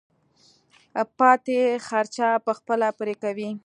پاتې خرچه به خپله پرې کوې.